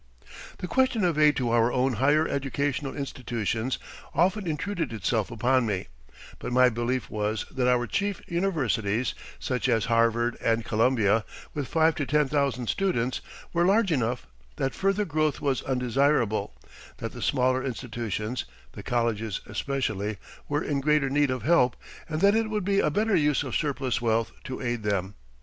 The question of aid to our own higher educational institutions often intruded itself upon me, but my belief was that our chief universities, such as Harvard and Columbia, with five to ten thousand students, were large enough; that further growth was undesirable; that the smaller institutions (the colleges especially) were in greater need of help and that it would be a better use of surplus wealth to aid them.